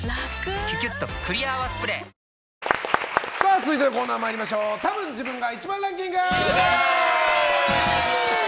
続いてのコーナーはたぶん自分が１番ランキング！